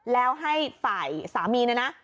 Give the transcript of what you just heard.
แล้วให้ฝ่ายสามีเนี่ยนะ